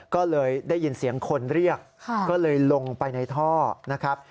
ก็เลยได้ยินเสียงคนเรียกก็เลยลงไปในท่อนะครับ